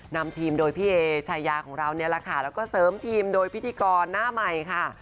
นำทีมโดยพี่เอชายาของเราเนี่ยแหละค่ะแล้วก็เสริมทีมโดยพิธีกรหน้าใหม่ค่ะ